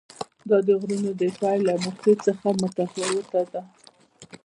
دا د غرونو د پیل له نقطې څخه متفاوته ده.